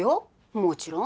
もちろん！